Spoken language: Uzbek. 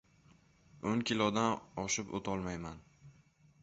O‘n kilodan oshib o‘tolmayman!